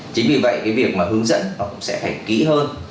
chính vì vậy cái việc mà hướng dẫn nó cũng sẽ phải kỹ hơn